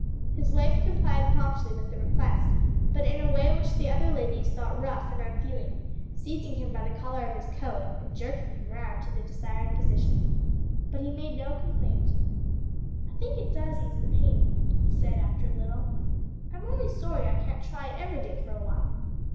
His wife complied promptly with the request, but in a way which the other ladies thought rough and unfeeling, seizing him by the collar of his coat and jerking him round to the desired position. But he made no complaint. "I think it does ease the pain," he said after a little. "I'm only sorry I can't try it every day for a while."